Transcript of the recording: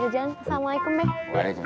ya udah kalau gitu nabilah jalan